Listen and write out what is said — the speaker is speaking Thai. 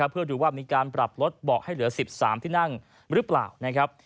เพื่อดูว่ามีการปรับลดเบาะให้เหลือ๑๓ที่นั่งหรือเปล่านะครับ